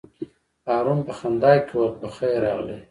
هارون په خندا کې وویل: په خیر راغلې.